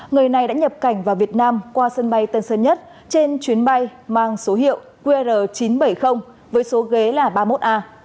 người này đã nhập cảnh vào việt nam qua sân bay tân sơn nhất trên chuyến bay mang số hiệu qr chín trăm bảy mươi với số ghế là ba mươi một a